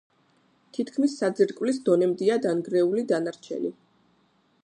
თითქმის საძირკვლის დონემდეა დანგრეული დანარჩენი.